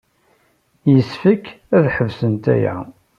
Yessefk ad ḥebsent aya.